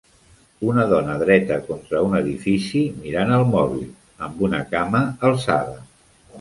Una dona dreta contra un edifici mirant el mòbil, amb una cama alçada.